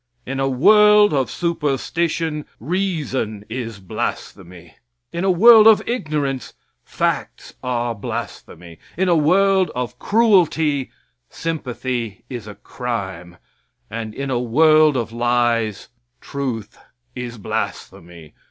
In a world of superstition, reason is blasphemy. In a world of ignorance, facts are blasphemy. In a world of cruelty, sympathy is a crime, and in a world of lies, truth is blasphemy.